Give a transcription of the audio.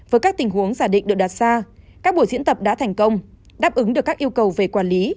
với các tình huống giả định được đặt ra các buổi diễn tập đã thành công đáp ứng được các yêu cầu về quản lý